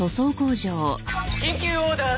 「緊急オーダー！